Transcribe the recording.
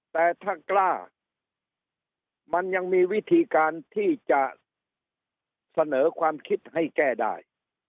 แต่ถ้ากล้ามันยังมีวิธีการที่จะเสนอความคิดให้แก้ได้